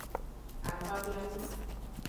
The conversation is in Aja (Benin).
Akpablanu.